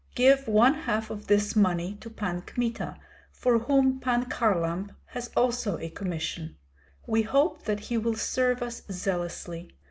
Give one half of this money to Pan Kmita, for whom Pan Kharlamp has also a commission. We hope that he will serve us zealously.